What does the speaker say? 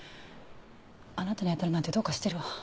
あなたに当たるなんてどうかしてるわ。